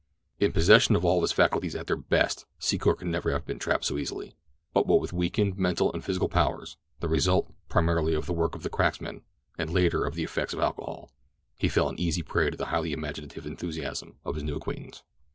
In possession of all his faculties at their best, Secor could never have been trapped so easily; but what with weakened mental and physical powers—the result, primarily, of the work of the cracksmen, and later of the effects of alcohol, he fell an easy prey to the highly imaginative enthusiasm of his new acquaintance.